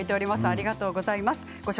ありがとうございます。